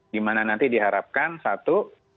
di mana nanti diharapkan satu